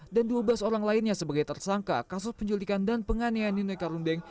dan dua belas orang lainnya sebagai tersangka kasus penculikan dan penganiayaan ninoi karundeng